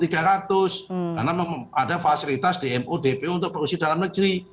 karena ada fasilitas dmo dan dpo untuk produksi dalam negeri